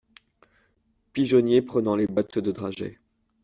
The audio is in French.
Pigeonnier prenant les boites de dragées.